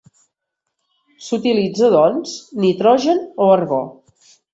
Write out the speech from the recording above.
S'utilitza doncs nitrogen o argó.